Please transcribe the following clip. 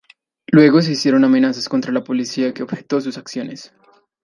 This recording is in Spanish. Luego se hicieron amenazas contra la policía que objetó sus acciones.